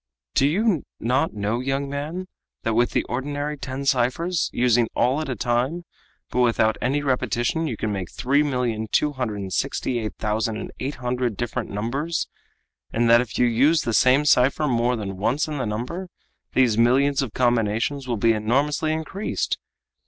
Do you not know, young man, that with the ordinary ten ciphers, using all at a time, but without any repetition, you can make three million two hundred and sixty eight thousand and eight hundred different numbers, and that if you use the same cipher more than once in the number, these millions of combinations will be enormously increased!